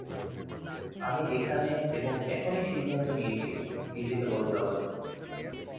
আমি এখানে এবং এখনি সিদ্ধান্ত নিয়েছি নিজেকে বদলাবার।